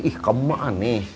ih kemana nih